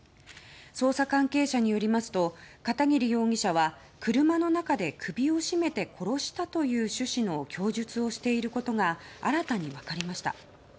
捜査関係者によりますと片桐容疑者は車の中で首を絞めて殺したという趣旨の供述をしていることが新たに分かりました。